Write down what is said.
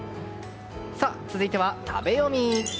続いては食べヨミ！